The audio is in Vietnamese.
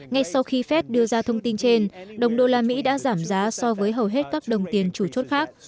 ngay sau khi fed đưa ra thông tin trên đồng đô la mỹ đã giảm giá so với hầu hết các đồng tiền chủ chốt khác